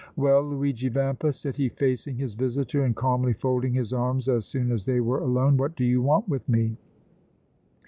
"Well, Luigi Vampa!" said he, facing his visitor and calmly folding his arms as soon as they were alone. "What do you want with me?"